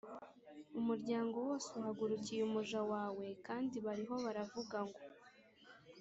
umuryango wose uhagurukiye umuja wawe kandi bariho baravuga ngo